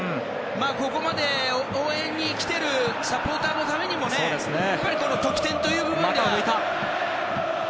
ここまで応援に来てるサポーターのためにもね得点という部分を。